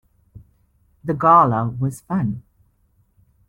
The Gala was fun.